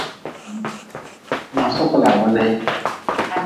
Ma sokla welee.